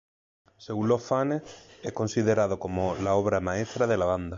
Según los fanes, es considerado como la obra maestra de la banda.